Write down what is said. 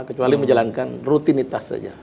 kecuali menjalankan rutinitas saja